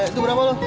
itu berapa lo